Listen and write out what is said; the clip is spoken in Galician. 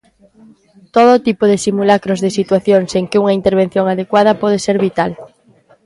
Todo tipo de simulacros de situacións en que unha intervención adecuada pode ser vital.